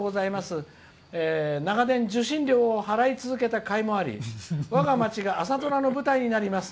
「長年受信料を払い続けたかいもありわが町が朝ドラの舞台になります。